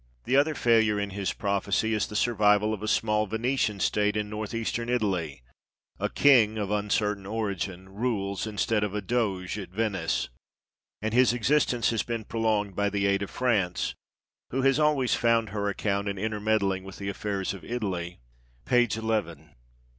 The other failure in his prophecy is the survival of a small Venetian state in North Eastern Italy: a king (of uncertain origin) rules instead of a doge at Venice, and his existence has been prolonged by the aid of France, "who has always found her account in inter meddling with the affairs of Italy" (p. n).